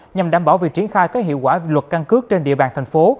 nhằm đảm bảo việc triển khai các hiệu quả luật căn cước trên địa bàn thành phố